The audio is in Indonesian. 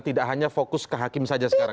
tidak hanya fokus ke hakim saja sekarang